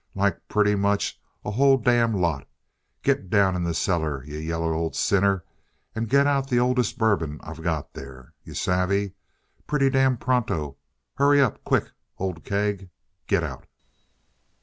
Like pretty much a whole damned lot. Get down in the cellar, you yaller old sinner, and get out the oldest bourbon I got there. You savvy? Pretty damned pronto hurry up quick old keg. Git out!"